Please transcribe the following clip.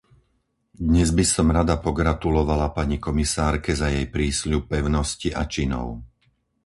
Dnes by som rada pogratulovala pani komisárke za jej prísľub pevnosti a činov.